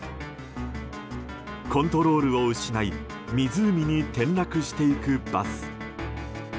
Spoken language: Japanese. コントロールを失い湖に転落していくバス。